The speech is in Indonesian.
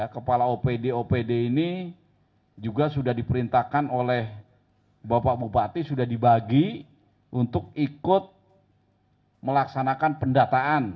kepala opd opd ini juga sudah diperintahkan oleh bapak bupati sudah dibagi untuk ikut melaksanakan pendataan